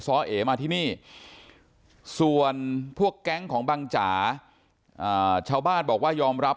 เอ๋มาที่นี่ส่วนพวกแก๊งของบังจ๋าชาวบ้านบอกว่ายอมรับ